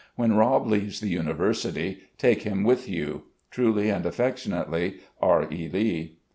When Rob leaves the University take him with you. "Truly and affectionately, R. E. Lee."